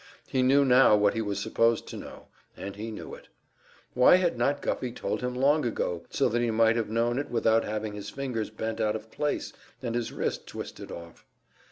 He knew now what he was supposed to know; and he knew it. Why had not Guffey told him long ago, so that he might have known it without having his fingers bent out of place and his wrist twisted off?